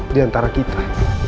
di antara kita